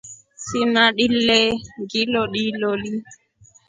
Samadii le ningdoodu loli.